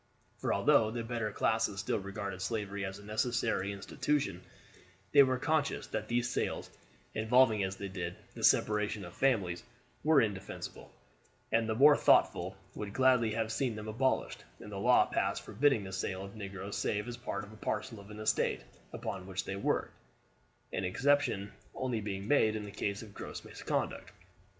For although the better classes still regarded slavery as a necessary institution, they were conscious that these sales, involving as they did the separation of families, were indefensible, and the more thoughtful would gladly have seen them abolished, and a law passed forbidding the sale of negroes save as part and parcel of the estate upon which they worked, an exception only being made in the case of gross misconduct.